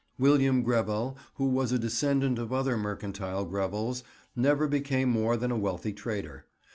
William Grevel, who was a descendant of other mercantile Grevels, never became more than a wealthy trader.